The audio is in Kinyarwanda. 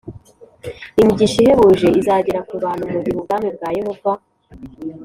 imigisha ihebuje izagera ku bantu mu gihe Ubwami bwa Yehova